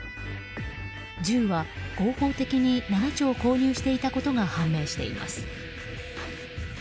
銃は合法的に７丁購入していたことが判明しています。